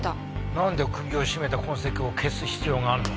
なんで首を絞めた痕跡を消す必要があるの？